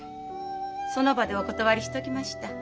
その場でお断りしときました。